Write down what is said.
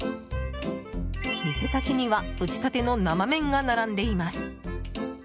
店先には打ちたての生麺が並んでいます。